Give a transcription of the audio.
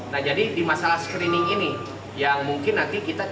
nah jadi di masalah screening ini yang mungkin nanti kita